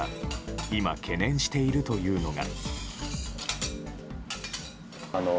今、懸念しているというのが。